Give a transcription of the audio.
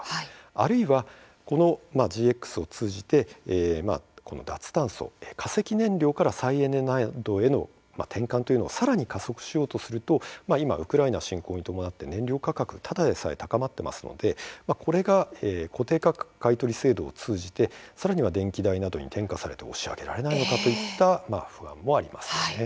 あるいはＧＸを通じて脱炭素、化石燃料から再エネなどへの転換をさらに加速しようとするとウクライナ侵攻に伴って燃料価格が高まっていますので固定価格買取制度を通じてさらに電気代に転嫁されて押し上げられないかといった不安もあります。